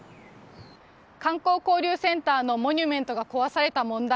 観光交流センターのモニュメントが壊された問題。